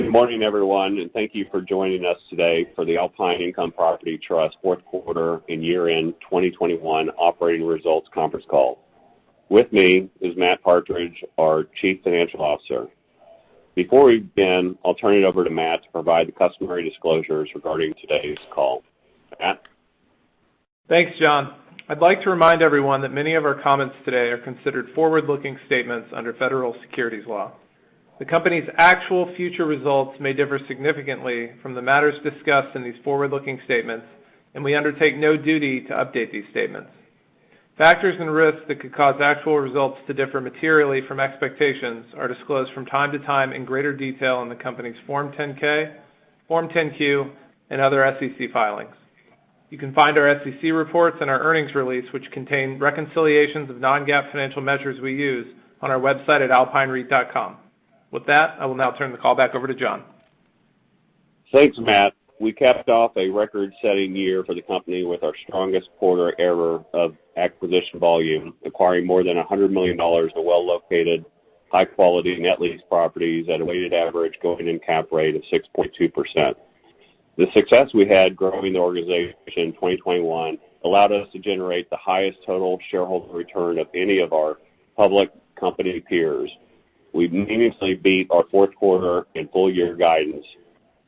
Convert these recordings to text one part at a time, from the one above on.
Good morning, everyone, and thank you for joining us today for the Alpine Income Property Trust Fourth Quarter and Year-End 2021 Operating Results Conference Call. With me is Matt Partridge, our Chief Financial Officer. Before we begin, I'll turn it over to Matt to provide the customary disclosures regarding today's call. Matt? Thanks, John. I'd like to remind everyone that many of our comments today are considered forward-looking statements under federal securities law. The company's actual future results may differ significantly from the matters discussed in these forward-looking statements, and we undertake no duty to update these statements. Factors and risks that could cause actual results to differ materially from expectations are disclosed from time to time in greater detail in the company's Form 10-K, Form 10-Q, and other SEC filings. You can find our SEC reports and our earnings release, which contain reconciliations of non-GAAP financial measures we use on our website at alpinereit.com. With that, I will now turn the call back over to John. Thanks, Matt. We capped off a record-setting year for the company with our strongest quarter ever of acquisition volume, acquiring more than $100 million of well-located, high-quality net lease properties at a weighted average going-in cap rate of 6.2%. The success we had growing the organization in 2021 allowed us to generate the highest total shareholder return of any of our public company peers. We meaningfully beat our fourth quarter and full year guidance,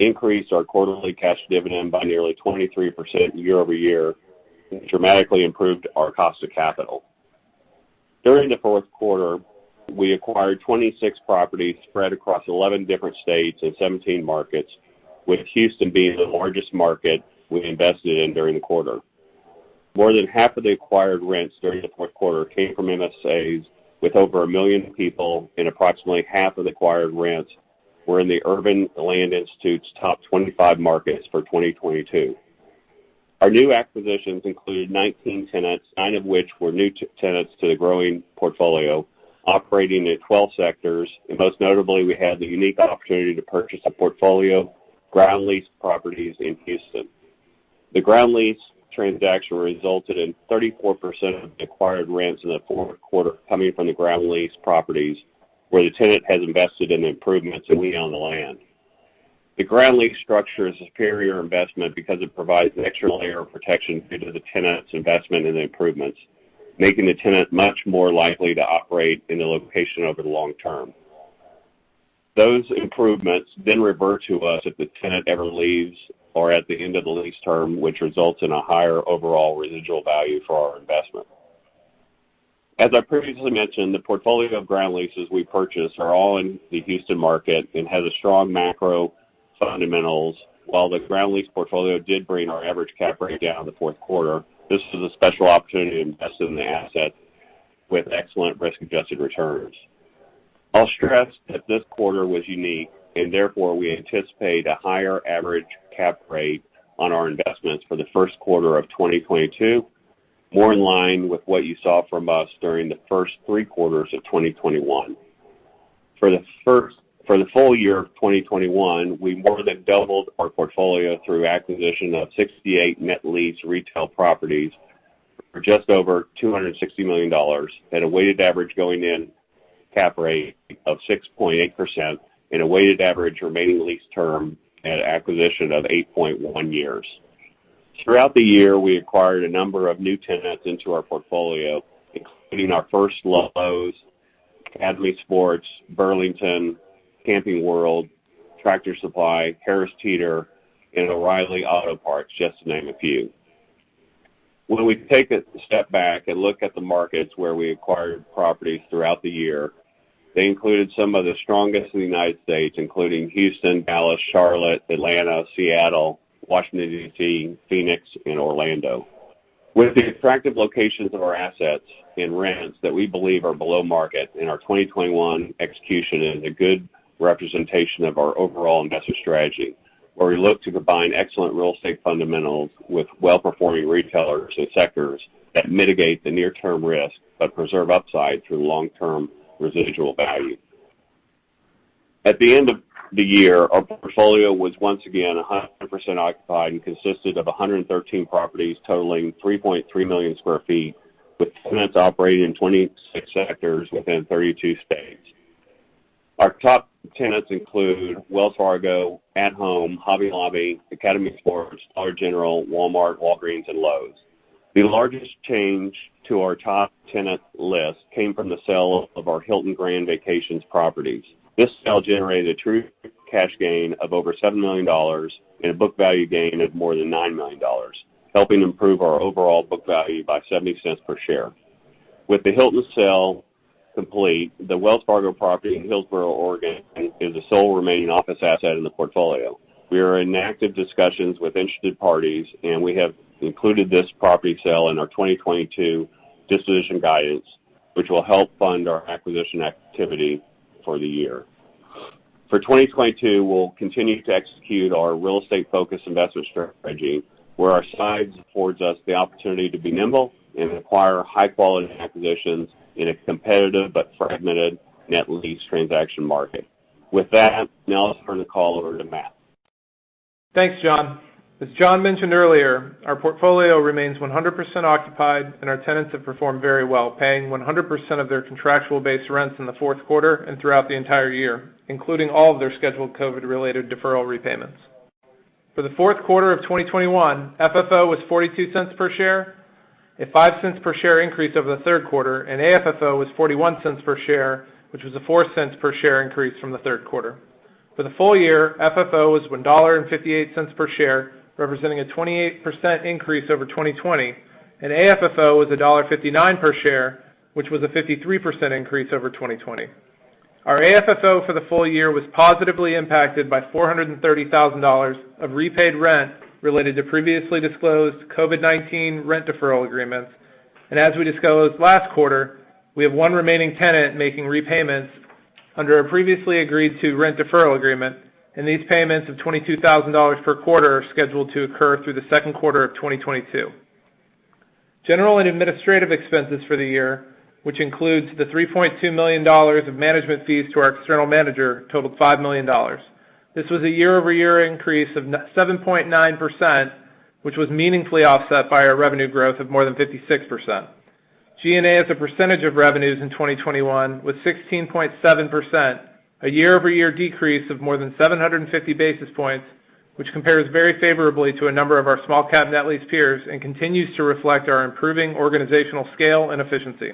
increased our quarterly cash dividend by nearly 23% year-over-year, and dramatically improved our cost of capital. During the fourth quarter, we acquired 26 properties spread across 11 different states and 17 markets, with Houston being the largest market we invested in during the quarter. More than half of the acquired rents during the fourth quarter came from MSAs with over a million people, and approximately half of the acquired rents were in the Urban Land Institute's top 25 markets for 2022. Our new acquisitions included 19 tenants, nine of which were new tenants to the growing portfolio, operating in 12 sectors. Most notably, we had the unique opportunity to purchase a portfolio of ground lease properties in Houston. The ground lease transaction resulted in 34% of acquired rents in the fourth quarter coming from the ground lease properties where the tenant has invested in the improvements, and we own the land. The ground lease structure is a superior investment because it provides an extra layer of protection due to the tenant's investment in the improvements, making the tenant much more likely to operate in the location over the long term. Those improvements then revert to us if the tenant ever leaves or at the end of the lease term, which results in a higher overall residual value for our investment. As I previously mentioned, the portfolio of ground leases we purchased is all in the Houston market and has strong macro fundamentals. While the ground lease portfolio did bring our average cap rate down in the fourth quarter, this was a special opportunity to invest in the asset with excellent risk-adjusted returns. I'll stress that this quarter was unique and therefore we anticipate a higher average cap rate on our investments for the first quarter of 2022, more in line with what you saw from us during the first three quarters of 2021. For the full year of 2021, we more than doubled our portfolio through acquisition of 68 net-lease retail properties for just over $260 million at a weighted average going-in cap rate of 6.8% and a weighted average remaining lease term at acquisition of 8.1 years. Throughout the year, we acquired a number of new tenants into our portfolio, including our first Lowe's, Academy Sports, Burlington, Camping World, Tractor Supply, Harris Teeter, and O'Reilly Auto Parts, just to name a few. When we take a step back and look at the markets where we acquired properties throughout the year, they included some of the strongest in the United States, including Houston, Dallas, Charlotte, Atlanta, Seattle, Washington, D.C., Phoenix, and Orlando. With the attractive locations of our assets and rents that we believe are below market and our 2021 execution is a good representation of our overall investment strategy, where we look to combine excellent real estate fundamentals with well-performing retailers and sectors that mitigate the near-term risk, but preserve upside through long-term residual value. At the end of the year, our portfolio was once again 100% occupied and consisted of 113 properties totaling 3.3 million sq ft, with tenants operating in 26 sectors within 32 states. Our top tenants include Wells Fargo, At Home, Hobby Lobby, Academy Sports, Dollar General, Walmart, Walgreens, and Lowe's. The largest change to our top tenant list came from the sale of our Hilton Grand Vacations properties. This sale generated a true cash gain of over $7 million and a book value gain of more than $9 million, helping improve our overall book value by $0.70 per share. With the Hilton sale complete, the Wells Fargo property in Hillsboro, Oregon, is the sole remaining office asset in the portfolio. We are in active discussions with interested parties, and we have included this property sale in our 2022 disposition guidance, which will help fund our acquisition activity for the year. For 2022, we'll continue to execute our real estate focus investment strategy, where our size affords us the opportunity to be nimble and acquire high-quality acquisitions in a competitive but fragmented net lease transaction market. With that, now let's turn the call over to Matt. Thanks, John. As John mentioned earlier, our portfolio remains 100% occupied and our tenants have performed very well, paying 100% of their contractual base rents in the fourth quarter and throughout the entire year, including all of their scheduled COVID-related deferral repayments. For the fourth quarter of 2021, FFO was $0.42 per share, a $0.05 per share increase over the third quarter, and AFFO was $0.41 per share, which was a $0.04 per share increase from the third quarter. For the full year, FFO was $1.58 per share, representing a 28% increase over 2020, and AFFO was $1.59 per share, which was a 53% increase over 2020. Our AFFO for the full year was positively impacted by $0.43 million of repaid rent related to previously disclosed COVID-19 rent deferral agreements. As we disclosed last quarter, we have one remaining tenant making repayments under a previously agreed-to rent deferral agreement, and these payments of $22,000 per quarter are scheduled to occur through the second quarter of 2022. General and administrative expenses for the year, which includes the $3.2 million of management fees to our external manager, totaled $5 million. This was a year-over-year increase of 7.9%, which was meaningfully offset by our revenue growth of more than 56%. G&A as a percentage of revenues in 2021 was 16.7%, a year-over-year decrease of more than 750 basis points, which compares very favorably to a number of our small-cap net lease peers and continues to reflect our improving organizational scale and efficiency.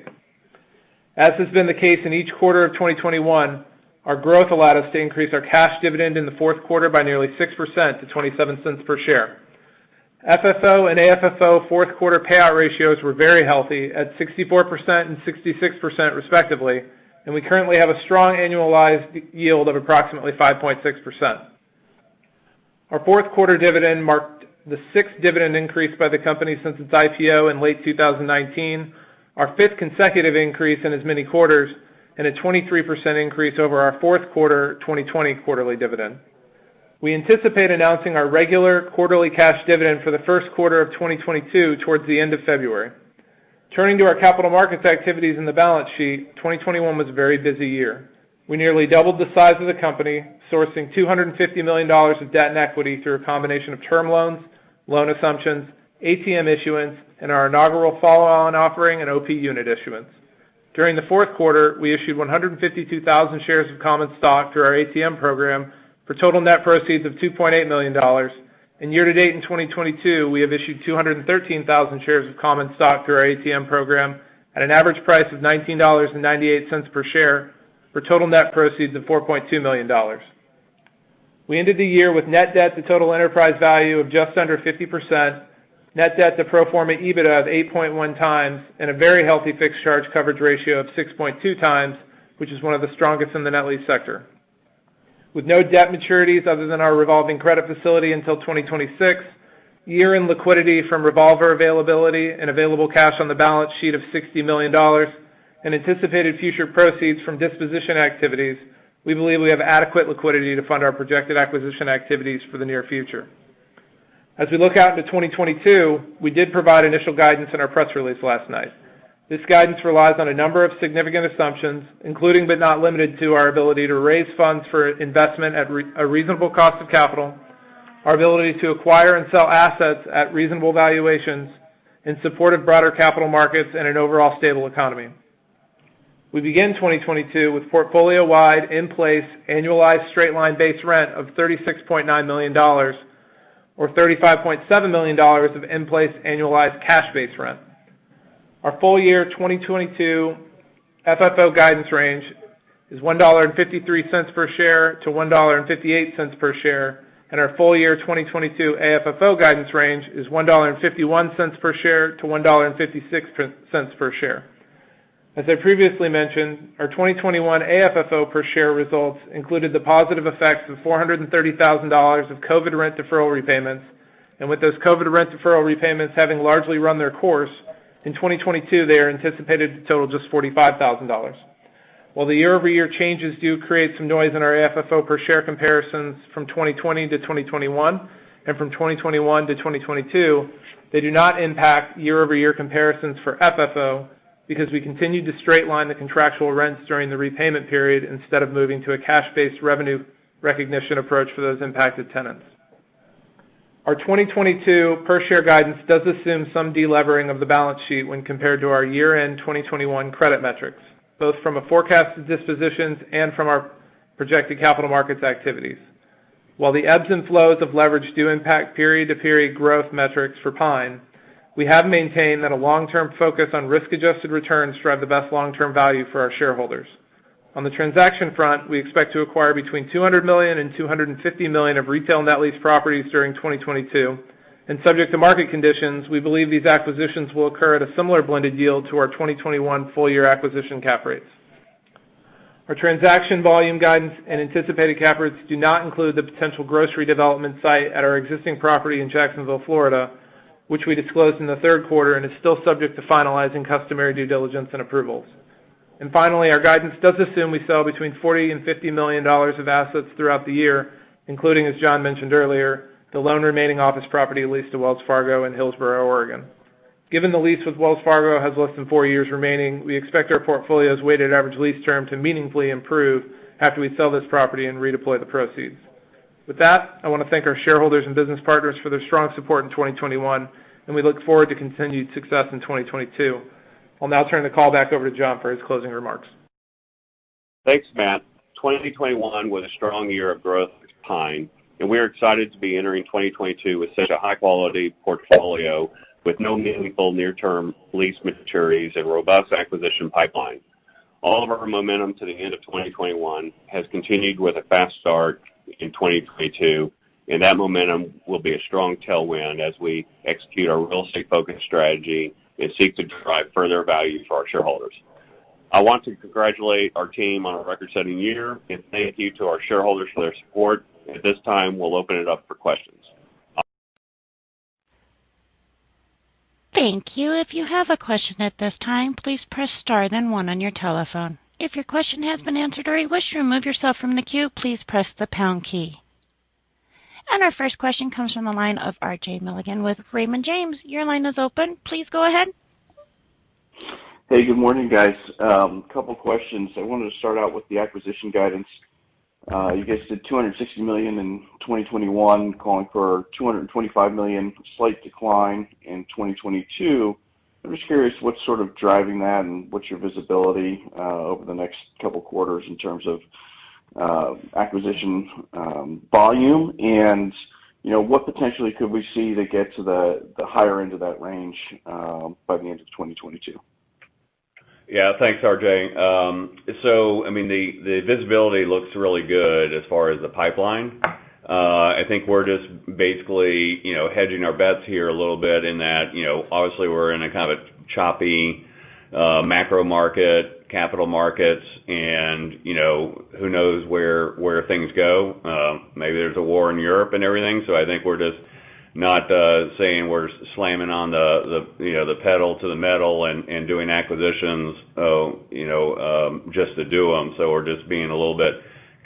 Our growth allowed us to increase our cash dividend in the fourth quarter by nearly 6% to $0.27 per share. FFO and AFFO fourth-quarter payout ratios were very healthy at 64% and 66%, respectively, and we currently have a strong annualized yield of approximately 5.6%. Our fourth quarter dividend marked the sixth dividend increase by the company since its IPO in late 2019, our fifth consecutive increase in as many quarters, and a 23% increase over our fourth quarter 2020 quarterly dividend. We anticipate announcing our regular quarterly cash dividend for the first quarter of 2022 towards the end of February. Turning to our capital markets activities and the balance sheet, 2021 was a very busy year. We nearly doubled the size of the company, sourcing $250 million of debt and equity through a combination of term loans, loan assumptions, ATM issuance, and our inaugural follow-on offering and OP unit issuance. During the fourth quarter, we issued 152,000 shares of common stock through our ATM program for total net proceeds of $2.8 million. Year to date in 2022, we have issued 0.213 million shares of common stock through our ATM program at an average price of $19.98 per share for total net proceeds of $4.2 million. We ended the year with net debt to total enterprise value of just under 50%, net debt to pro forma EBITDA of 8.1x, and a very healthy fixed charge coverage ratio of 6.2x, which is one of the strongest in the net lease sector. With no debt maturities other than our revolving credit facility until 2026; year-end liquidity from revolver availability and available cash on the balance sheet of $60 million and anticipated future proceeds from disposition activities, we believe we have adequate liquidity to fund our projected acquisition activities for the near future. As we look out into 2022, we did provide initial guidance in our press release last night. This guidance relies on a number of significant assumptions, including, but not limited to, our ability to raise funds for investment at a reasonable cost of capital, our ability to acquire and sell assets at reasonable valuations in support of broader capital markets and an overall stable economy. We begin 2022 with portfolio-wide in-place annualized straight-line base rent of $36.9 million, or $35.7 million of in-place annualized cash base rent. Our full year 2022 FFO guidance range is $1.53 per share-$1.58 per share, and our full year 2022 AFFO guidance range is $1.51 per share-$1.56 per share. As I previously mentioned, our 2021 AFFO per share results included the positive effects of $430,000 of COVID rent deferral repayments, and with those COVID rent deferral repayments having largely run their course, in 2022, they are anticipated to total just $45,000. While the year-over-year changes do create some noise in our AFFO per share comparisons from 2020 to 2021 and from 2021 to 2022, they do not impact year-over-year comparisons for FFO because we continued to straight-line the contractual rents during the repayment period instead of moving to a cash-based revenue recognition approach for those impacted tenants. Our 2022 per share guidance does assume some delevering of the balance sheet when compared to our year-end 2021 credit metrics, both from a forecast of dispositions and from our projected capital markets activities. While the ebbs and flows of leverage do impact period-to-period growth metrics for PINE, we have maintained that a long-term focus on risk-adjusted returns drive the best long-term value for our shareholders. On the transaction front, we expect to acquire between $200 million-$250 million of retail net lease properties during 2022, and subject to market conditions, we believe these acquisitions will occur at a similar blended yield to our 2021 full-year acquisition cap rates. Our transaction volume guidance and anticipated cap rates do not include the potential grocery development site at our existing property in Jacksonville, Florida, which we disclosed in the third quarter and is still subject to finalizing customary due diligence and approvals. Finally, our guidance does assume we sell between $40 million-$50 million of assets throughout the year, including, as John mentioned earlier, the lone remaining office property leased to Wells Fargo in Hillsboro, Oregon. Given the lease with Wells Fargo has less than four years remaining, we expect our portfolio's weighted average lease term to meaningfully improve after we sell this property and redeploy the proceeds. With that, I wanna thank our shareholders and business partners for their strong support in 2021, and we look forward to continued success in 2022. I'll now turn the call back over to John for his closing remarks. Thanks, Matt. 2021 was a strong year of growth for Pine, and we're excited to be entering 2022 with such a high-quality portfolio, with no meaningful near-term lease maturities and robust acquisition pipeline. All of our momentum to the end of 2021 has continued with a fast start in 2022, and that momentum will be a strong tailwind as we execute our real estate-focused strategy and seek to drive further value for our shareholders. I want to congratulate our team on a record-setting year, and thank you to our shareholders for their support. At this time, we'll open it up for questions. Thank you. If you have a question at this time, please press star then one on your telephone. If your question has been answered or you wish to remove yourself from the queue, please press the pound key. Our first question comes from the line of RJ Milligan with Raymond James. Your line is open. Please go ahead. Hey, good morning, guys. Couple questions. I wanted to start out with the acquisition guidance. You guys did $260 million in 2021, calling for $225 million, slight decline in 2022. I'm just curious what's sort of driving that and what's your visibility over the next couple quarters in terms of acquisition volume? You know, what potentially could we see to get to the higher end of that range by the end of 2022? Yeah. Thanks, RJ. I mean, the visibility looks really good as far as the pipeline. I think we're just basically, you know, hedging our bets here a little bit in that, you know, obviously we're in a kind of a choppy macro market, capital markets and, you know, who knows where things go. Maybe there's a war in Europe and everything. I think we're just not saying we're slamming on the pedal to the metal and doing acquisitions, you know, just to do them. We're just being a little bit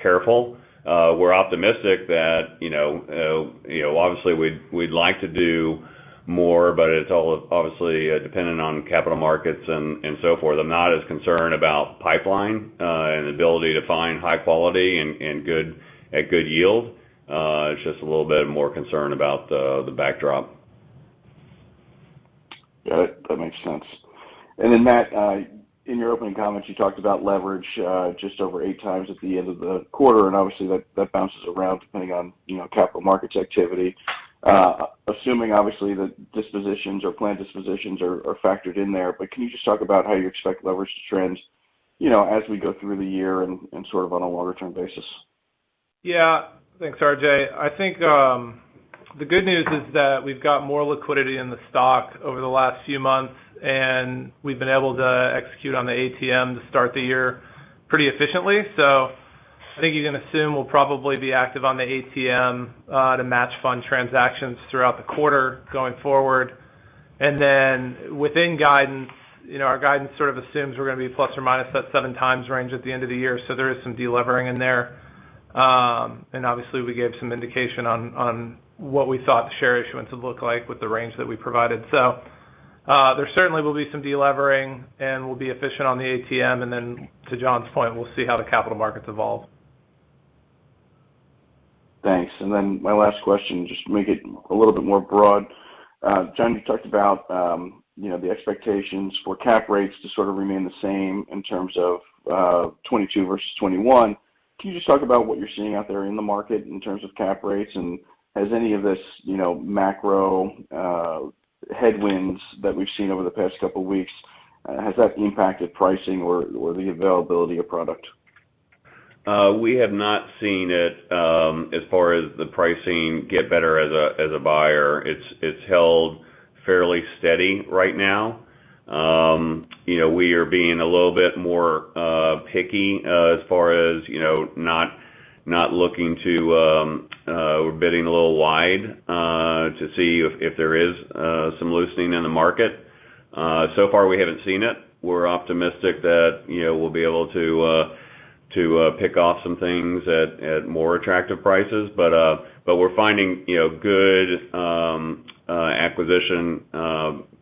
careful. We're optimistic that, you know, you know, obviously we'd like to do more, but it's all obviously dependent on capital markets and so forth. I'm not as concerned about pipeline and ability to find high-quality at good yield. It's just a little bit more concerned about the backdrop. Yeah, that makes sense. Matt, in your opening comments, you talked about leverage just over 8 times at the end of the quarter, and obviously that bounces around depending on, you know, capital markets activity. Assuming, obviously, the dispositions or planned dispositions are factored in there, but can you just talk about how you expect leverage to trend, you know, as we go through the year and sort of on a longer-term basis? Thanks, RJ. I think the good news is that we've got more liquidity in the stock over the last few months, and we've been able to execute on the ATM to start the year pretty efficiently. I think you can assume we'll probably be active on the ATM to match fund transactions throughout the quarter going forward. Then within guidance, you know, our guidance sort of assumes we're gonna be plus or minus that 7x range at the end of the year; so, there is some de-levering in there. Obviously we gave some indication on what we thought the share issuance would look like with the range that we provided. There certainly will be some de-levering, and we'll be efficient on the ATM. Then to John's point, we'll see how the capital markets evolve. Thanks. Then my last question, just to make it a little bit more broad. John, you talked about, you know, the expectations for cap rates to sort of remain the same in terms of 2022 versus 2021. Can you just talk about what you're seeing out there in the market in terms of cap rates? Has any of this, you know, macro headwinds that we've seen over the past couple weeks, has that impacted pricing or the availability of product? We have not seen it as far as the pricing get better as a buyer. It's held fairly steady right now. You know, we are being a little bit more picky as far as, you know, not looking to, we're bidding a little wide to see if there is some loosening in the market. So far we haven't seen it. We're optimistic that, you know, we'll be able to pick off some things at more attractive prices. We're finding, you know, good acquisition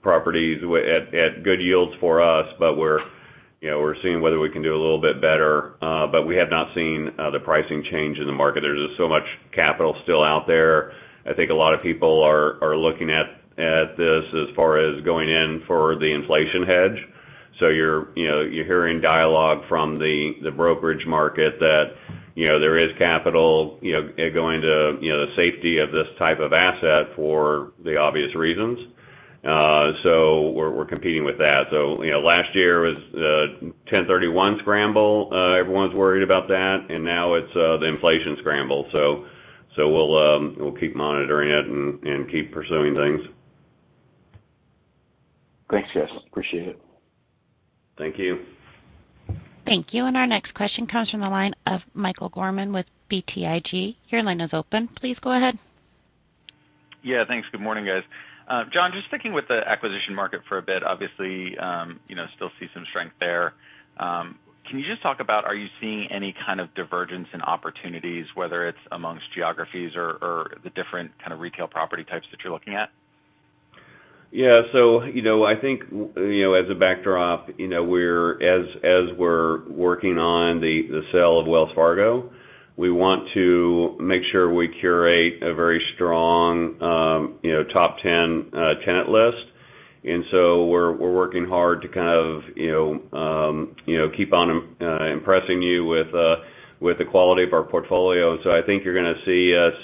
properties at good yields for us. We're seeing whether we can do a little bit better. We have not seen the pricing change in the market. There's just so much capital still out there. I think a lot of people are looking at this as far as going in for the inflation hedge. You know you're hearing dialogue from the brokerage market that you know there is capital going to the safety of this type of asset for the obvious reasons. We're competing with that. You know, last year was 1031 scramble; everyone's worried about that. Now it's the inflation scramble. We'll keep monitoring it and keep pursuing things. Thanks, guys. Appreciate it. Thank you. Thank you. Our next question comes from the line of Michael Gorman with BTIG. Your line is open. Please go ahead. Yeah, thanks, good morning, guys. John, just sticking with the acquisition market for a bit, obviously, you know, still see some strength there. Can you just talk about are you seeing any kind of divergence in opportunities, whether it's amongst geographies or the different kind of retail property types that you're looking at? You know, I think, as a backdrop, you know, as we're working on the sale of Wells Fargo, we want to make sure we curate a very strong, you know, top-ten tenant list. We're working hard to kind of, you know, keep on impressing you with the quality of our portfolio; I think you're gonna see us,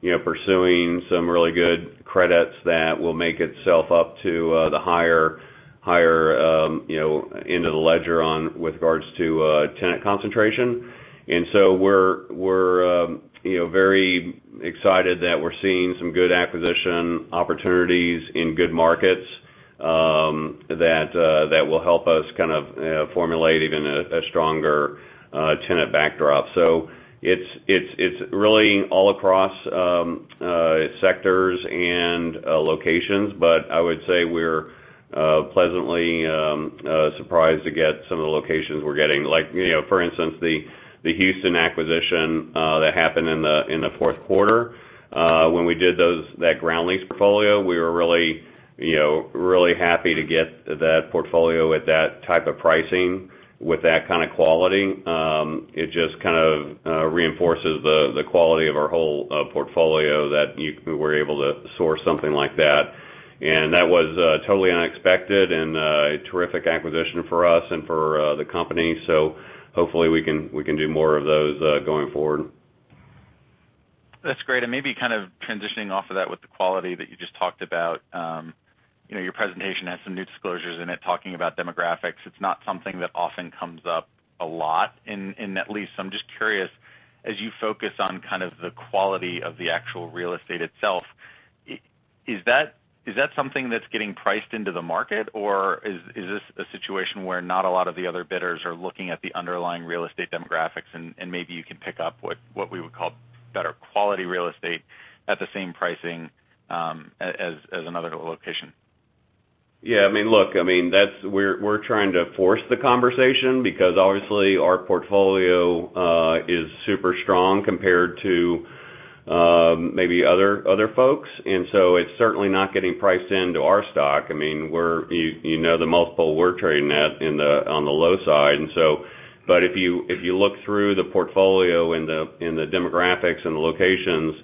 you know, pursuing some really good credits that will make its way up to the higher-end of the leaderboard with regards to tenant concentration. We're very excited that we're seeing some good acquisition opportunities in good markets that will help us kind of formulate even a stronger tenant backdrop. It's really all across sectors and locations. I would say we're pleasantly surprised to get some of the locations we're getting. Like, you know, for instance, the Houston acquisition that happened in the fourth quarter. When we did that ground lease portfolio, we were really, you know, happy to get that portfolio at that type of pricing with that kind of quality. It just kind of reinforces the quality of our whole portfolio that we were able to source something like that. That was totally unexpected and a terrific acquisition for us and for the company. Hopefully we can do more of those going forward. That's great. Maybe kind of transitioning off of that with the quality that you just talked about, you know, your presentation has some new disclosures in it talking about demographics. It's not something that often comes up a lot in net lease. So I'm just curious, as you focus on kind of the quality of the actual real estate itself, is that something that's getting priced into the market, or is this a situation where not a lot of the other bidders are looking at the underlying real estate demographics, and maybe you can pick up what we would call better-quality real estate at the same pricing as another location? Yeah. I mean, look, I mean, that's we're trying to force the conversation because obviously our portfolio is super strong compared to maybe other folks. It's certainly not getting priced into our stock. I mean, we're. You know, the multiple we're trading at is on the low side. If you look through the portfolio and the demographics and the locations,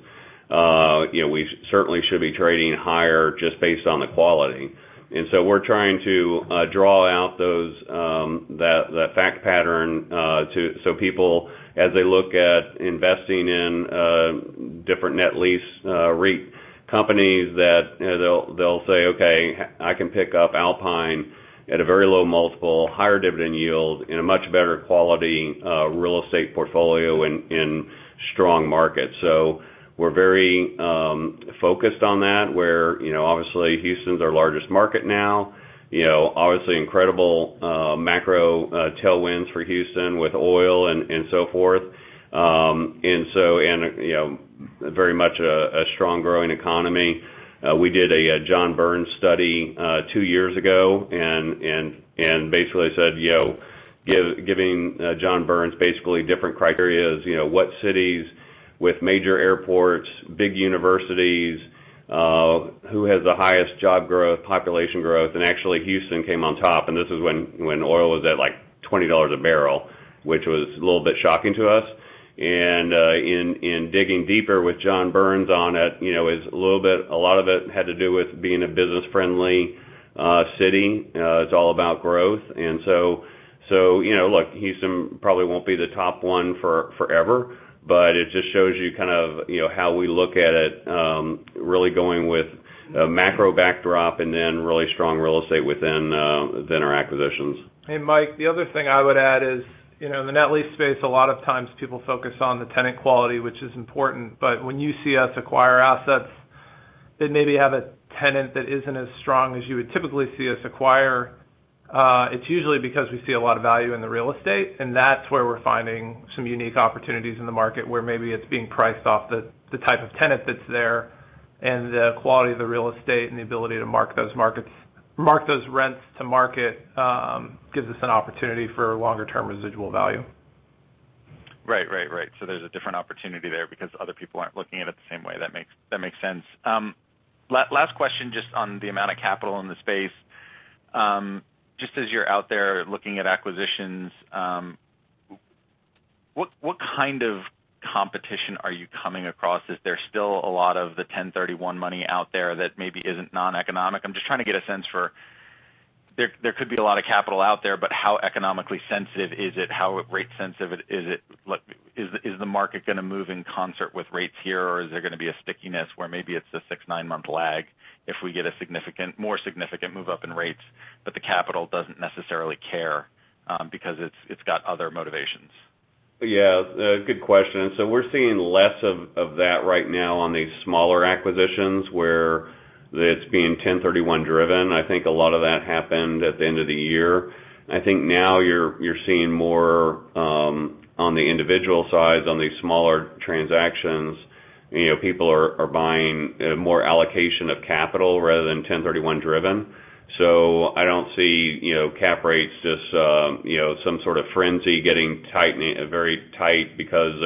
you know, we certainly should be trading higher just based on the quality. We're trying to draw out those that fact pattern so people, as they look at investing in different net-lease REIT companies, that you know they'll say, "Okay, I can pick up Alpine at a very low multiple, higher dividend yield in a much better-quality real estate portfolio in strong markets." We're very focused on that where you know, obviously Houston's our largest market now, you know, obviously incredible macro tailwinds for Houston with oil and so forth. You know, very much a strong growing economy. We did a John Burns study two years ago and basically said, you know, giving John Burns basically different criteria, you know, what cities with major airports, big universities, who has the highest job growth, population growth, and actually Houston came on top, and this is when oil was at, like, $20 a barrel, which was a little bit shocking to us. In digging deeper with John Burns on it, you know, it's a little bit, a lot of it had to do with being a business-friendly city. It's all about growth. You know, look, Houston probably won't be the top one forever, but it just shows you kind of, you know, how we look at it, really going with a macro backdrop and then really strong real estate within our acquisitions. Mike, the other thing I would add is, you know, in the net lease space, a lot of times people focus on the tenant quality, which is important. But when you see us acquire assets that maybe have a tenant that isn't as strong as you would typically see us acquire, it's usually because we see a lot value in the real estate, and that's where we're finding some unique opportunities in the market where maybe it's being priced off the type of tenant that's there, and the quality of the real estate and the ability to mark those rents to market gives us an opportunity for longer-term residual value. Right. There's a different opportunity there because other people aren't looking at it the same way. That makes sense. Last question, just on the amount of capital in the space. Just as you're out there looking at acquisitions, what kind of competition are you coming across? Is there still a lot of the 1031 money out there that maybe isn't non-economic? I'm just trying to get a sense for there could be a lot of capital out there, but how economically sensitive is it? How rate sensitive is it? Like, is the market gonna move in concert with rates here, or is there gonna be a stickiness where maybe it's a 6-month, 9-month lag if we get a more significant move-up in rates, but the capital doesn't necessarily care because it's got other motivations? Yeah, good question; We're seeing less of that right now on these smaller acquisitions where it's being 1031-driven. I think a lot of that happened at the end of the year. I think now you're seeing more on the individual side; on these smaller transactions, you know, people are buying more allocation of capital rather than 1031-driven. I don't see, you know, cap rates just, you know, some sort of frenzy getting tight, very tight because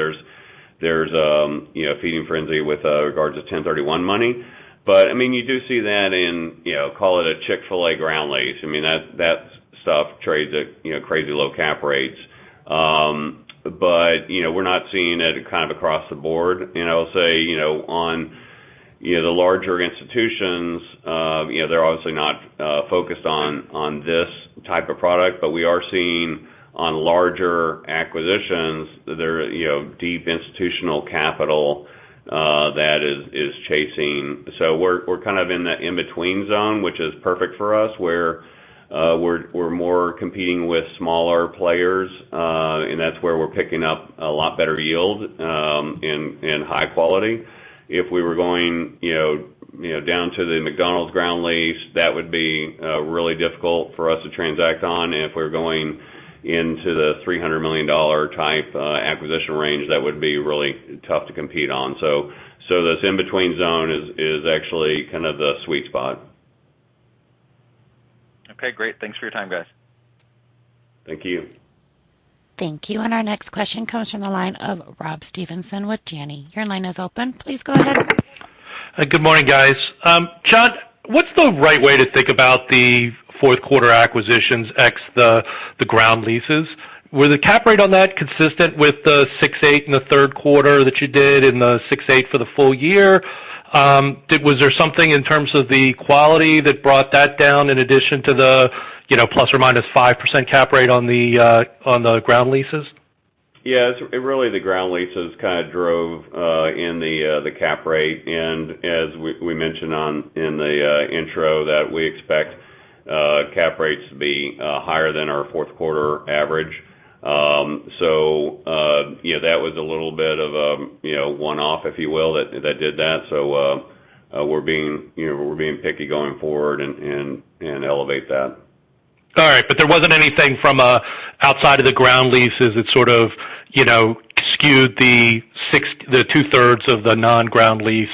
there's a feeding frenzy with regards to 1031 money. But, I mean, you do see that in, you know, call it a Chick-fil-A ground lease. I mean, that stuff trades at, you know, crazy low cap rates. But, you know, we're not seeing it kind of across the board. You know, on the larger institutions, you know, they're obviously not focused on this type of product. We are seeing on larger acquisitions there, you know, deep institutional capital that is chasing. We're kind of in the in-between zone, which is perfect for us, where we're more competing with smaller players, and that's where we're picking up a lot better yield in high-quality. If we were going down to the McDonald's ground lease, that would be really difficult for us to transact on. If we're going into the $300 million type acquisition range, that would be really tough to compete on. This in-between zone is actually kind of the sweet spot. Okay, great. Thanks for your time, guys. Thank you. Thank you. Our next question comes from the line of Robert Stevenson with Janney. Your line is open. Please go ahead. Good morning, guys. John P. Albright, what's the right way to think about the fourth quarter acquisitions ex the ground leases? Were the cap rate on that consistent with the 6%-8% in the third quarter that you did, and the 6%-8% for the full year? Was there something in terms of the quality that brought that down in addition to the, you know, ±5% cap rate on the ground leases? Yeah. It really, the ground leases kind of drove the cap rate. As we mentioned in the intro that we expect cap rates to be higher than our fourth quarter average. You know, that was a little bit of a, you know, one-off, if you will, that did that. We're being picky going forward and elevate that. All right. There wasn't anything from outside of the ground leases that sort of, you know, skewed the 2/3 of the non-ground lease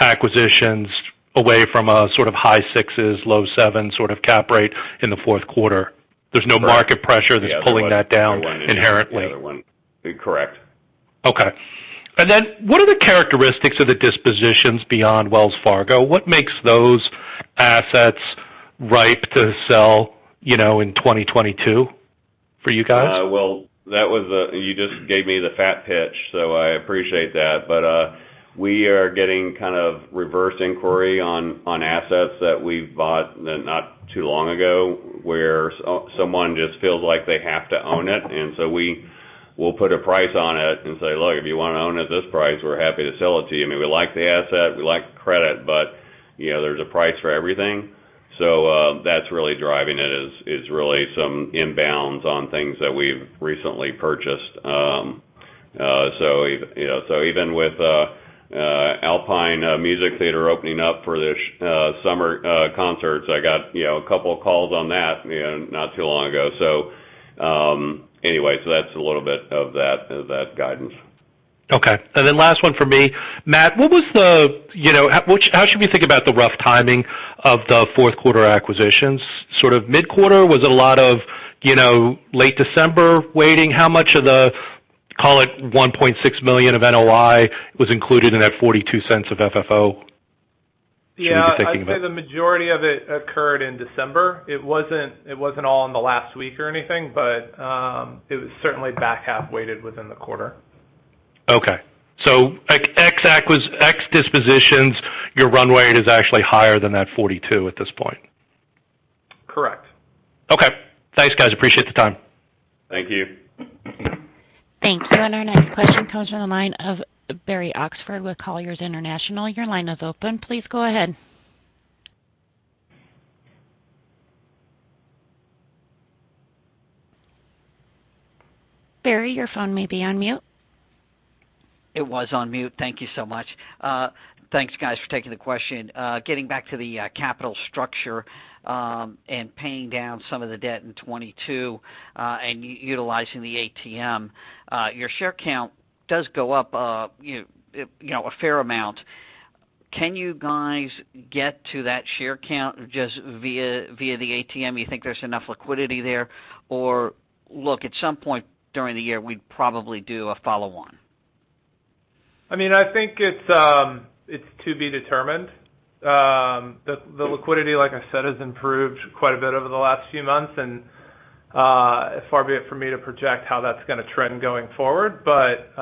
acquisitions away from a sort of high sixes, low seven sort of cap rate in the fourth quarter. Right. There's no market pressure that's pulling that down inherently. There wasn't any. Correct. Okay. What are the characteristics of the dispositions beyond Wells Fargo? What makes those assets ripe to sell, you know, in 2022 for you guys? Well, you just gave me the fat pitch, so I appreciate that. We are getting kind of reverse inquiry on assets that we've bought not too long ago, where someone just feels like they have to own it. We will put a price on it and say, "Look, if you wanna own it at this price, we're happy to sell it to you." I mean, we like the asset, we like the credit, but, you know, there's a price for everything. That's really driving it, really some inbounds on things that we've recently purchased. Even with Alpine Valley Music Theatre opening up for the summer concerts, I got a couple of calls on that not too long ago. Anyway, that's a little bit of that guidance. Okay. Last one for me. Matt, you know, how should we think about the rough timing of the fourth quarter acquisitions? Sort of mid-quarter? Was it a lot of, you know, late December weighting? How much of the call it $1.6 million of NOI was included in that $0.42 of FFO should we be thinking about? Yeah. I'd say the majority of it occurred in December. It wasn't all in the last week or anything, but it was certainly back half weighted within the quarter. Okay. Like ex dispositions, your runway is actually higher than that 42 at this point? Correct. Okay. Thanks, guys. I appreciate the time. Thank you. Thank you. Our next question comes from the line of Barry Oxford with Colliers Securities. Your line is open. Please go ahead. Barry, your phone may be on mute. It was on mute. Thank you so much. Thanks, guys, for taking the question. Getting back to the capital structure, and paying down some of the debt in 2022, and utilizing the ATM, your share count does go up, you know, a fair amount. Can you guys get to that share count just via the ATM? You think there's enough liquidity there? Or look, at some point during the year, we'd probably do a follow-on. I mean, I think it's to be determined. The liquidity, like I said, has improved quite a bit over the last few months. Far be it for me to project how that's gonna trend going forward, but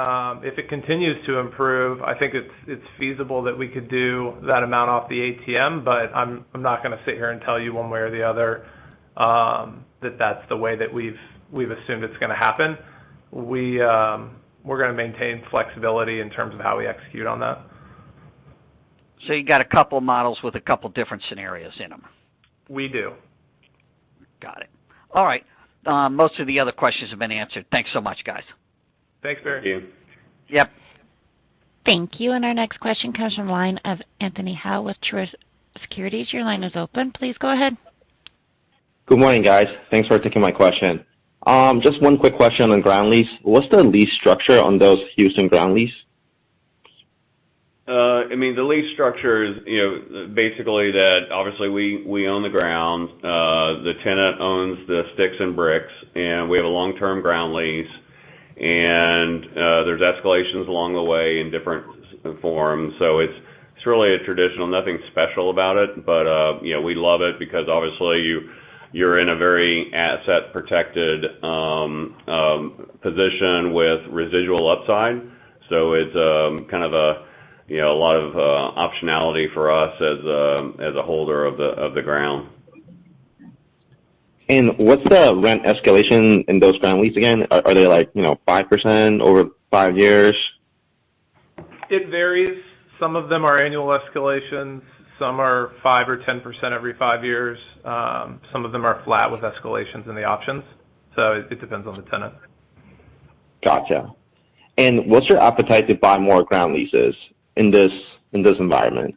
if it continues to improve, I think it's feasible that we could do that amount off the ATM. I'm not gonna sit here and tell you one way or the other that that's the way that we've assumed it's gonna happen. We're gonna maintain flexibility in terms of how we execute on that. You got a couple models with a couple different scenarios in them. We do. Got it. All right. Most of the other questions have been answered. Thanks so much, guys. Thanks, Barry. Thank you. Yep. Thank you. Our next question comes from the line of Anthony Hau with Truist Securities. Your line is open. Please go ahead. Good morning, guys. Thanks for taking my question. Just one quick question on ground lease. What's the lease structure on those Houston ground lease? I mean, the lease structure is, you know, basically that obviously we own the ground. The tenant owns the sticks and bricks, and we have a long-term ground lease. There's escalations along the way in different forms. It's really traditional, nothing special about it. You know, we love it because obviously you're in a very asset-protected position with residual upside. It's kind of a, you know, a lot of optionality for us as a holder of the ground. What's the rent escalation in those ground lease again? Are they like, you know, 5% over 5 years? It varies. Some of them are annual escalations, some are 5% or 10% every 5 years. Some of them are flat with escalations in the options, so it depends on the tenant. Gotcha. What's your appetite to buy more ground leases in this environment?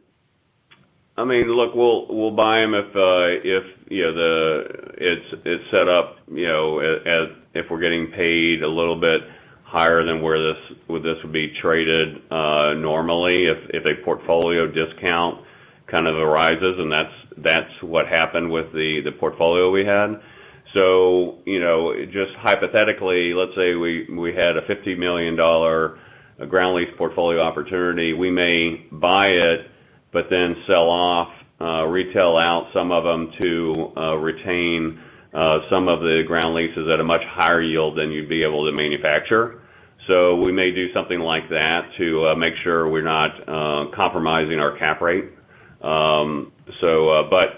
I mean, look, we'll buy 'em if, you know, it's set up, you know, as if we're getting paid a little bit higher than where this would be traded normally if a portfolio discount kind of arises, and that's what happened with the portfolio we had. You know, just hypothetically, let's say we had a $50 million ground lease portfolio opportunity, we may buy it, but then sell off retail out some of them to retain some of the ground leases at a much higher yield than you'd be able to manufacture. We may do something like that to make sure we're not compromising our cap rate, but,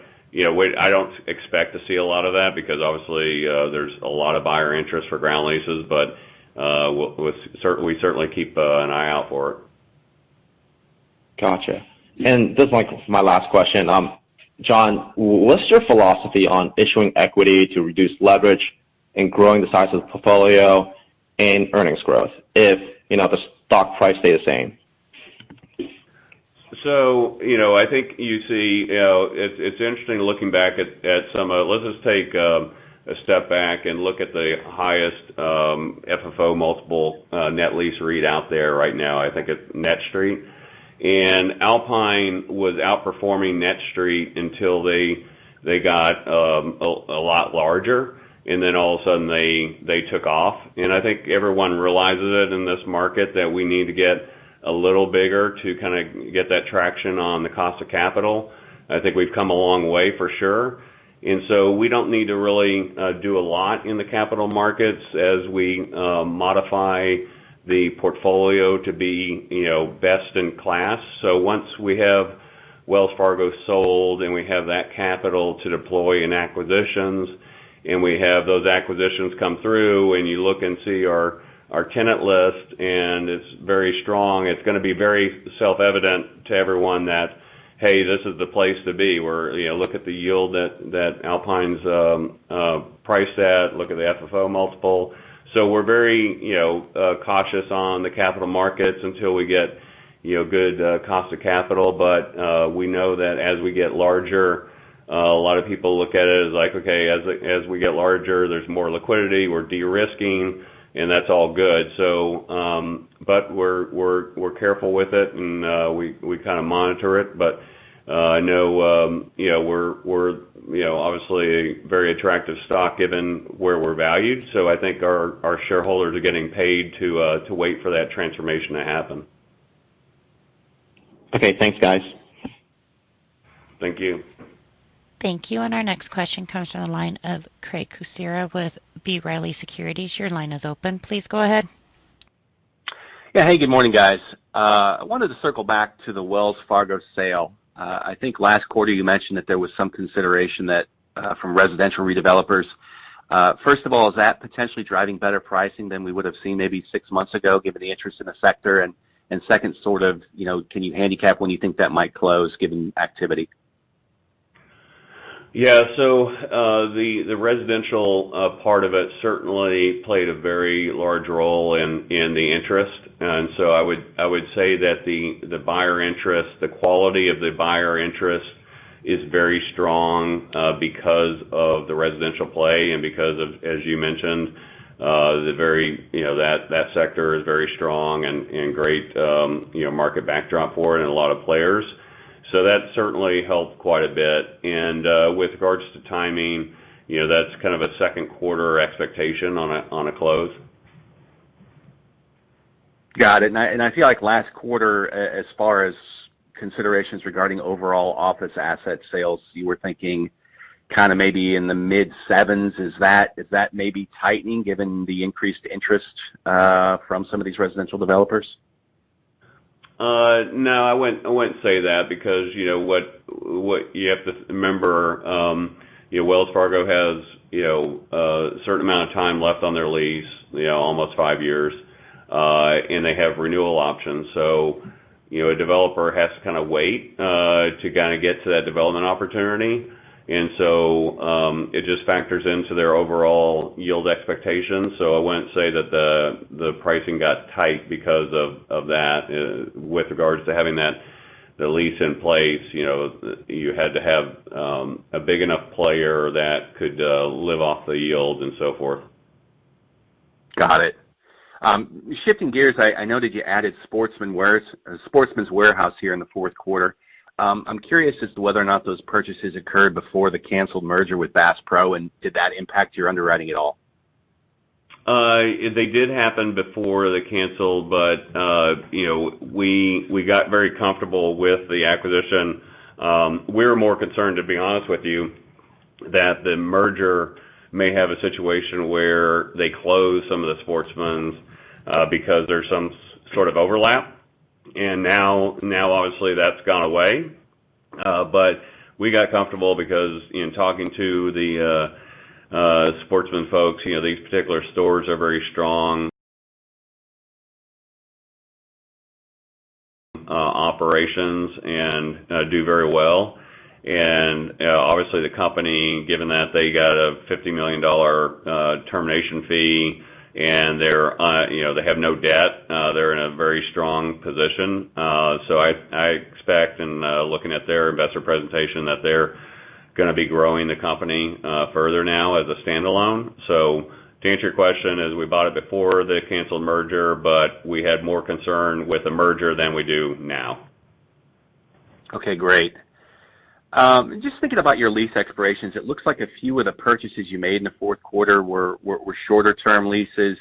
I don't expect to see a lot of that because obviously, there's a lot of buyer interest for ground leases. We certainly keep an eye out for it. Gotcha. This is like my last question. John, what's your philosophy on issuing equity to reduce leverage and growing the size of the portfolio and earnings growth if, you know, the stock price stay the same? You know, I think you see. You know, it's interesting looking back at some. Let's just take a step back and look at the highest FFO multiple net lease REIT out there right now. I think it's NETSTREIT. Alpine was outperforming NETSTREIT until they got a lot larger, and then all of a sudden they took off. I think everyone realizes it in this market that we need to get a little bigger to kind of get that traction on the cost of capital. I think we've come a long way, for sure. We don't need to really do a lot in the capital markets as we modify the portfolio to be, you know, best-in-class. Once we have Wells Fargo sold and we have that capital to deploy in acquisitions, and we have those acquisitions come through, and you look and see our tenant list, and it's very strong, it's gonna be very self-evident to everyone that, hey, this is the place to be. We're, you know, look at the yield that Alpine's priced at, look at the FFO multiple. We're very, you know, cautious on the capital markets until we get, you know, good cost of capital. We know that as we get larger, a lot of people look at it as like, okay, as we get larger, there's more liquidity, we're de-risking, and that's all good. We're careful with it and we kind of monitor it. I know, you know, we're, you know, obviously very attractive stock given where we're valued. I think our shareholders are getting paid to wait for that transformation to happen. Okay. Thanks, guys. Thank you. Thank you. Our next question comes from the line of Craig Kucera with B. Riley Securities. Your line is open. Please go ahead. Yeah, hey, good morning, guys. I wanted to circle back to the Wells Fargo sale. I think last quarter you mentioned that there was some consideration that, from residential redevelopers. First of all, is that potentially driving better pricing than we would've seen maybe six months ago, given the interest in the sector? Second, sort of, you know, can you handicap when you think that might close given activity? Yeah. The residential part of it certainly played a very large role in the interest; I would say that the buyer interest—the quality of the buyer interest—is very strong because of the residential play and because of, as you mentioned, the very you know, that sector is very strong and great, you know, market backdrop for it and a lot of players. That certainly helped quite a bit. With regards to timing, you know, that's kind of a second quarter expectation on a close. Got it. I feel like last quarter, as far as considerations regarding overall office asset sales, you were thinking kind of maybe in the mid sevens. Is that maybe tightening given the increased interest from some of these residential developers? No, I wouldn't say that because, you know, what you have to remember, you know, Wells Fargo has, you know, a certain amount of time left on their lease, you know, almost five years. They have renewal options. You know, a developer has to kind of wait to kind of get to that development opportunity. It just factors into their overall yield expectations. I wouldn't say that the pricing got tight because of that with regards to having that the lease in place. You know, you had to have a big enough player that could live off the yield and so forth. Got it. Shifting gears, I know that you added Sportsman's Warehouse here in the fourth quarter. I'm curious as to whether or not those purchases occurred before the canceled merger with Bass Pro Shops, and did that impact your underwriting at all. They did happen before the cancel, but you know, we got very comfortable with the acquisition. We're more concerned, to be honest with you, that the merger may have a situation where they close some of the Sportsman's Warehouse because there's some sort of overlap. Now, obviously, that's gone away. But we got comfortable because in talking to the Sportsman folks, you know, these particular stores are very strong operations and do very well. You know, obviously, the company, given that they got a $50 million termination fee, and you know, they have no debt, they're in a very strong position. I expect in looking at their investor presentation that they're gonna be growing the company further now as a standalone. To answer your question, is we bought it before the canceled merger, but we had more concern with the merger than we do now. Okay, great. Just thinking about your lease expirations, it looks like a few of the purchases you made in the fourth quarter were shorter term leases.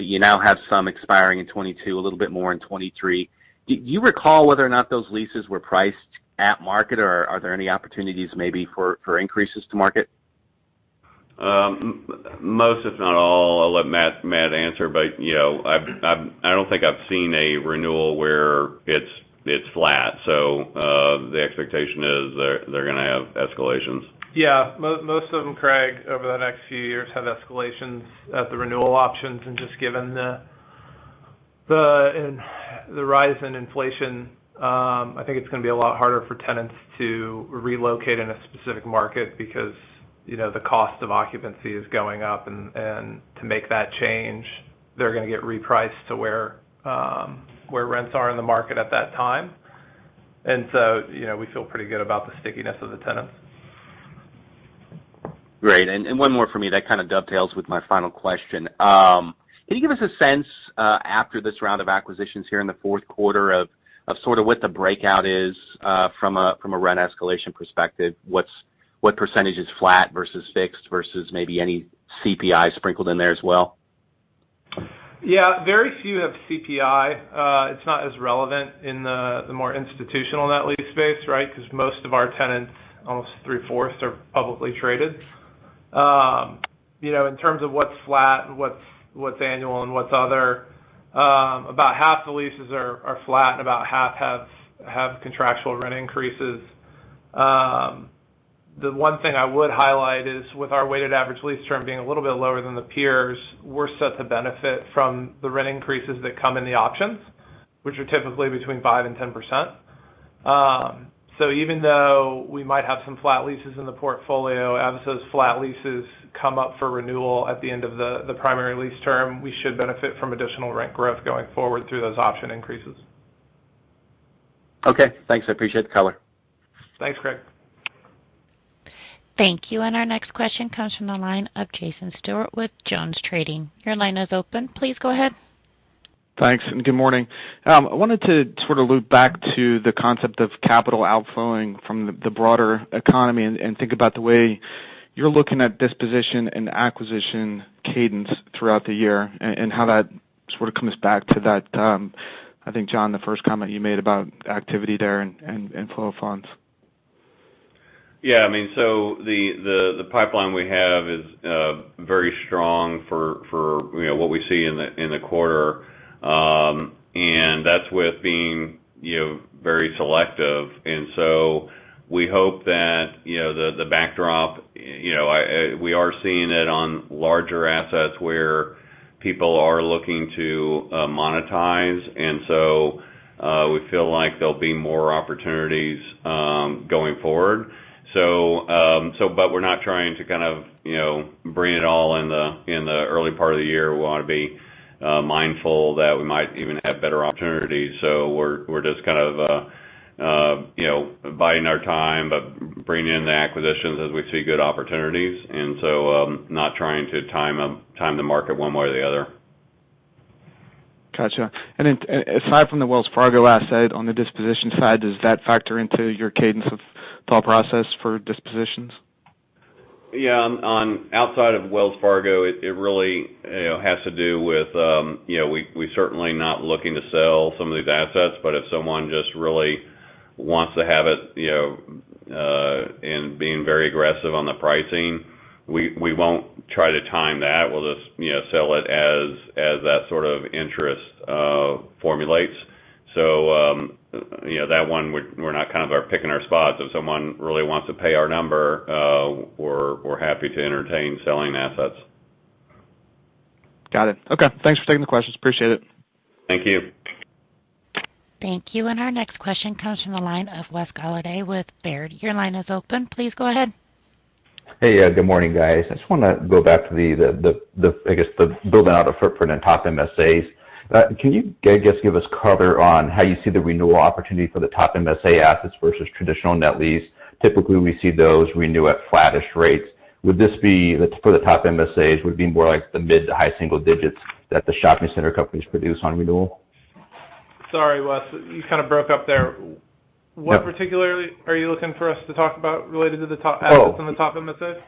You now have some expiring in 2022, a little bit more in 2023. Do you recall whether or not those leases were priced at market, or are there any opportunities maybe for increases to market? Most, if not all, I'll let Matt answer, but you know, I don't think I've seen a renewal where it's flat. The expectation is they're gonna have escalations. Yeah. Most of them, Craig, over the next few years have escalations at the renewal options. Just given the rise in inflation, I think it's gonna be a lot harder for tenants to relocate in a specific market because, you know, the cost of occupancy is going up. To make that change, they're gonna get repriced to where rents are in the market at that time. You know, we feel pretty good about the stickiness of the tenants. Great. One more for me, that kind of dovetails with my final question. Can you give us a sense, after this round of acquisitions here in the fourth quarter of sort of what the breakout is, from a rent escalation perspective? What percentage is flat versus fixed versus maybe any CPI sprinkled in there as well? Yeah, very few have CPI; It's not as relevant in the more institutional net-lease space, right? 'Cause most of our tenants, almost three-fourths are publicly traded. You know, in terms of what's flat and what's annual and what's other, about half the leases are flat, and about half have contractual rent increases. The one thing I would highlight is with our weighted average lease term being a little bit lower than the peers, we're set to benefit from the rent increases that come in the options, which are typically between 5%-10%. So even though we might have some flat leases in the portfolio, as those flat leases come up for renewal at the end of the primary lease term, we should benefit from additional rent growth going forward through those option increases. Okay. Thanks. I appreciate the color. Thanks, Craig. Thank you. Our next question comes from the line of Jason Stewart with JonesTrading. Your line is open. Please go ahead. Thanks, good morning. I wanted to sort of loop back to the concept of capital outflowing from the broader economy and think about the way you're looking at disposition and acquisition cadence throughout the year and how that sort of comes back to that. I think, John, the first comment you made about activity there and flow of funds. Yeah. I mean, the pipeline we have is very strong for, you know, what we see in the quarter. That's with being, you know, very selective. We hope that, you know, the backdrop, you know, we are seeing it on larger assets where people are looking to monetize. We feel like there'll be more opportunities going forward. We're not trying to kind of, you know, bring it all in the early part of the year. We wanna be mindful that we might even have better opportunities. We're just kind of, you know, buying our time, but bringing in the acquisitions as we see good opportunities, not trying to time the market one way or the other. Gotcha. Aside from the Wells Fargo asset on the disposition side, does that factor into your cadence of thought process for dispositions? Yeah. Outside of Wells Fargo, it really, you know, has to do with, you know, we're certainly not looking to sell some of these assets. If someone just really wants to have it, you know, and being very aggressive on the pricing, we won't try to time that. We'll just, you know, sell it as that sort of interest formulates. You know, that one, we're not kind of picking our spots. If someone really wants to pay our number, we're happy to entertain selling assets. Got it. Okay. Thanks for taking the questions. Appreciate it. Thank you. Thank you. Our next question comes from the line of Wesley K. Golladay with Baird. Your line is open. Please go ahead. Hey, yeah, good morning, guys. I just wanna go back to the, I guess, the building out a footprint in top MSAs. Can you, I guess, give us color on how you see the renewal opportunity for the top MSA assets versus traditional net lease? Typically, we see those renew at flattish rates. Would this be for the top MSAs more like the mid- to high-single digits that the shopping center companies produce on renewal? Sorry, Wes, you kind of broke up there. Yeah. What particularly are you looking for us to talk about related to the top MSAs?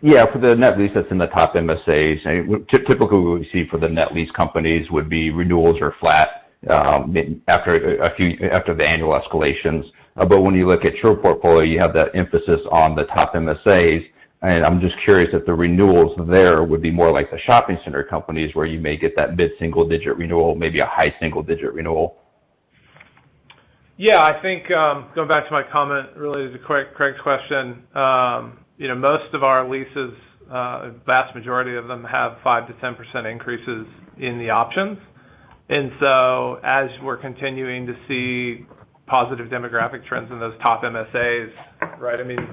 Yeah. For the net lease that's in the top MSAs. Typically, what we see for the net-lease companies would be renewals are flat after the annual escalations; but when you look at your portfolio, you have that emphasis on the top MSAs, and I'm just curious if the renewals there would be more like the shopping-center companies, where you may get that mid-single-digit renewal, maybe a high-single-digit renewal. Yeah. I think, going back to my comment related to Craig's question, you know, most of our leases, a vast majority of them have 5%-10% increases in the options. We're continuing to see positive demographic trends in those top MSAs, right, I mean.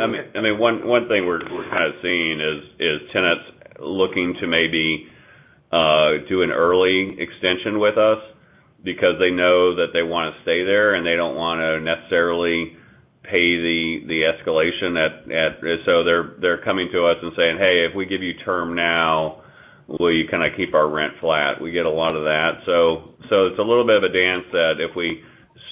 I mean, one thing we're kind of seeing is tenants looking to maybe do an early extension with us because they know that they wanna stay there, and they don't wanna necessarily pay the escalation at. So they're coming to us and saying, "Hey, if we give you term now, will you kinda keep our rent flat?" We get a lot of that. So it's a little bit of a dance that if we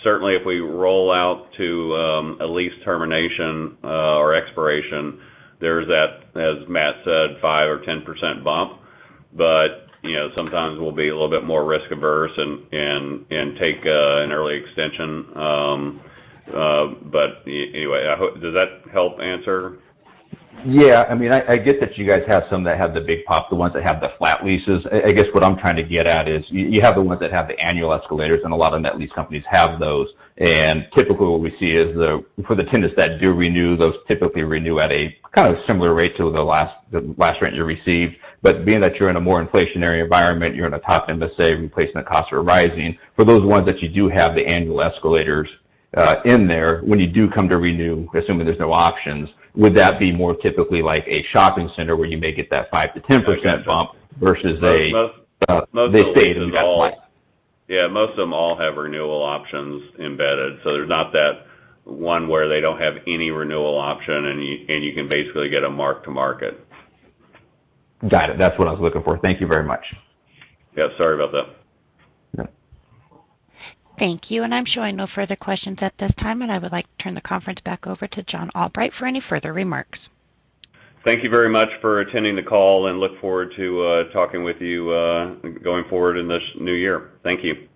certainly roll out to a lease termination or expiration, there's that, as Matt said, 5% or 10% bump. But you know, sometimes we'll be a little bit more risk averse and take an early extension. But anyway, I hope. Does that help answer? Yeah. I mean, I get that you guys have some that have the big pop, the ones that have the flat leases. I guess what I'm trying to get at is you have the ones that have the annual escalators, and a lot of net lease companies have those. Typically, what we see is for the tenants that do renew, those typically renew at a kind of similar rate to the last rent you received. Being that you're in a more inflationary environment, you're in a top MSA, replacement costs are rising. For those ones that you do have the annual escalators in there, when you do come to renew, assuming there's no options, would that be more typically like a shopping center where you may get that 5%-10% bump versus a- Most of them all. They stay flat. Yeah, most of them all have renewal options embedded; so, there's not that one where they don't have any renewal option and you can basically get a mark-to-market. Got it. That's what I was looking for. Thank you very much. Yeah. Sorry about that. Thank you. I'm showing no further questions at this time, and I would like to turn the conference back over to John Albright for any further remarks. Thank you very much for attending the call and look forward to talking with you going forward in this new year. Thank you.